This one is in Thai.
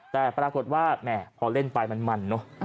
แต่ปรากฏว่าแหมพอเล่นไปมันเนอะ